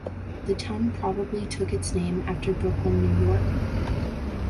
The town probably took its name after Brooklyn, New York.